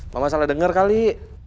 mama salah dengar kali